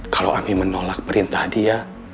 kalau kami menolak perintah dia